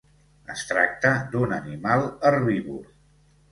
Es tracta d'un animal herbívor.